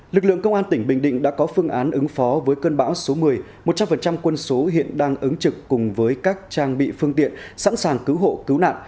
lực lượng công an tỉnh bình định đã có phương án ứng phó với cơn bão số một mươi một trăm linh quân số hiện đang ứng trực cùng với các trang bị phương tiện sẵn sàng cứu hộ cứu nạn